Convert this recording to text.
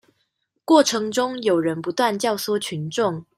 過程中有人不斷教唆群眾